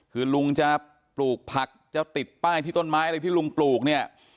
คือลุงจะปลูกผักจะติดป้ายที่ต้นไม้อะไรที่ลุงปลูกเนี่ย